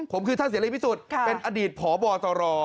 ผมคือท่านเสียรีพิสูจน์เป็นอดีตผ่อบ่อสร